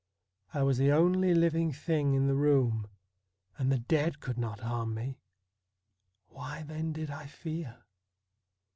I was the only living thing in the room, and the dead could not harm me. Why then did I fear